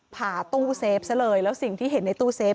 ผ่าตู้เซฟซะเลยแล้วสิ่งที่เห็นในตู้เซฟ